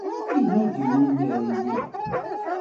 Ini-d, iwumi ara iliɣ?